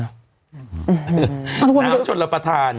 น้ำชนระปทาน